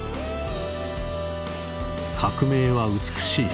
「“革命”は美しい。